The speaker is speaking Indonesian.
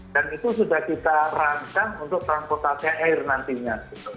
dan itu sudah kita rancang untuk terampotasi air nantinya